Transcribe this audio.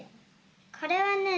これはね